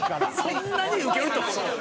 そんなにウケるところ。